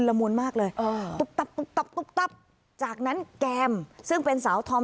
ละมุนมากเลยตุ๊บตับตุ๊บตับตุ๊บตับจากนั้นแกมซึ่งเป็นสาวธอม